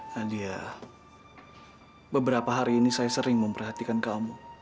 nadia beberapa hari ini saya sering memperhatikan kamu